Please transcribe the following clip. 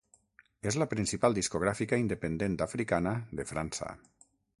És la principal discogràfica independent africana de França.